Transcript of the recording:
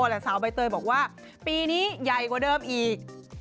แต่สาวใบเตยบอกว่าปีนี้ใหญ่กว่าเดิมอีก